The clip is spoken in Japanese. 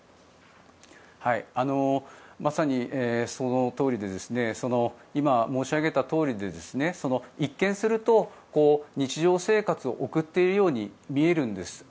まさにそのとおりで今、申し上げたとおりで一見すると日常生活を送っているように見えるんです。